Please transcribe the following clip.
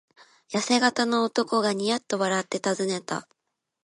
やせ型の男がニヤッと笑ってたずねた。